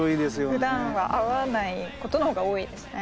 ふだんは会わないことの方が多いですね。